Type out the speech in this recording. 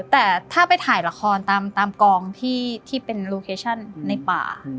แต่ถ้าไปถ่ายละครตามกองที่เป็นโลเคชั่นในป่า